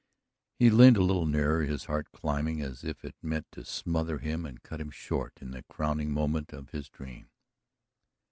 He leaned a little nearer, his heart climbing, as if it meant to smother him and cut him short in that crowning moment of his dream.